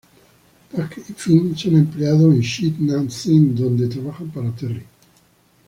Puck y Finn son empleados en Sheets-N-Thing, donde trabajan para Terri.